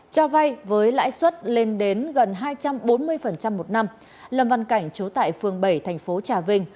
cho vay với lãi suất lên đến gần hai trăm bốn mươi một năm lầm văn cảnh chú tại phường bảy thành phố trà vinh